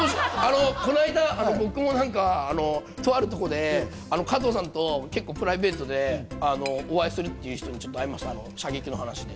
僕も、とある所で、加藤さんと結構プライベートでお会いするっていう人に会いました、射撃の話で。